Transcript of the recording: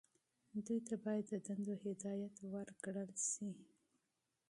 دوی ته باید د دندو هدایت ورکړل شي.